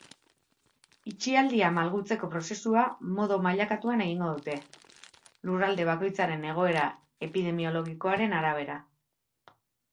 Itxialdia malgutzeko prozesua modu mailakatuan egingo dute, lurralde bakoitzaren egoera epidemiologikoaren arabera.